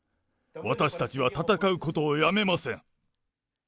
私たちは戦うことをやめません。